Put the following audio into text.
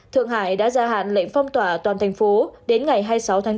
thượng hải đã gia hạn lệnh phong tỏa toàn thành phố đến ngày hai mươi sáu tháng chín